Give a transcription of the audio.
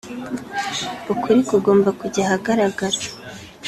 ukuri kugomba kujya ahagaragara